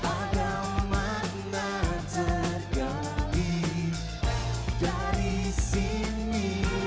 ada makna terkait dari sini